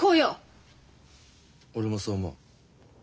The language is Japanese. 俺もそう思う。